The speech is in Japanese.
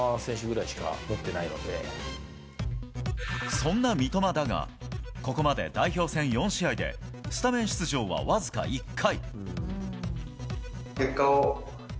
そんな三笘だがここまで代表戦４試合でスタメン出場は、わずか１回。